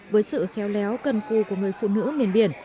với sự khéo léo cân cù của người phụ nữ miền biển